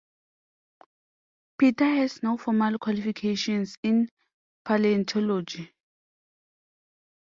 Peters has no formal qualifications in paleontology.